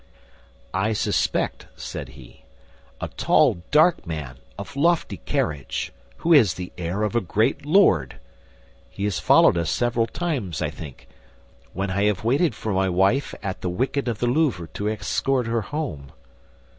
"I suspect," said he, "a tall, dark man, of lofty carriage, who has the air of a great lord. He has followed us several times, as I think, when I have waited for my wife at the wicket of the Louvre to escort her home."